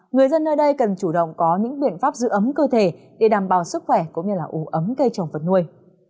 người dân nơi đây cần chủ động có những biện pháp giữ ấm cơ thể để đảm bảo sức khỏe cũng như ủ ấm cây trồng vật nuôi